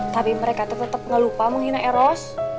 tapi mereka tuh tetep ngelupa menghina eros